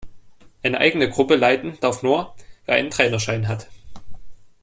Eine eigene Gruppe leiten darf nur, wer einen Trainerschein hat.